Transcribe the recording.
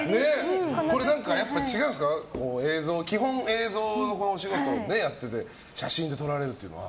やっぱ違うんですか基本、映像でお仕事やってて写真で撮られるっていうのは。